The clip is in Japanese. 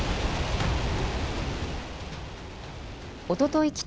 おととい